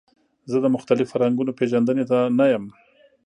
زه د مختلفو فرهنګونو پیژندنې ته نه یم.